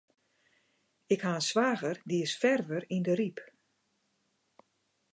Ik ha in swager, dy is ferver yn de Ryp.